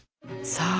さあ